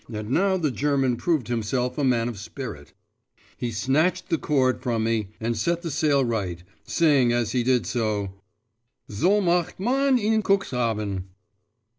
And now the German proved himself a man of spirit; he snatched the cord from me, and set the sail right, saying as he did so 'So macht man ins Kuxhaven!